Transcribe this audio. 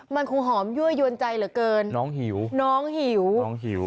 มันคงหอมยั่วยวนใจเหลือเกินน้องหิวน้องหิวน้องหิว